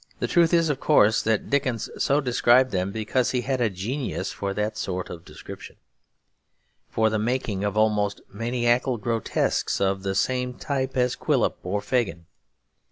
The truth is, of course, that Dickens so described them because he had a genius for that sort of description; for the making of almost maniacal grotesques of the same type as Quilp or Fagin.